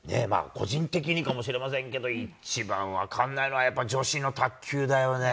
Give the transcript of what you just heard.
個人的にかもしれませんけど、一番分かんないのは、女子の卓球だよね。